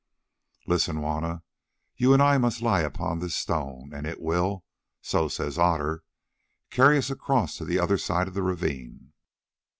"Listen, Juanna, you and I must lie upon this stone, and it will—so says Otter—carry us across to the other side of the ravine."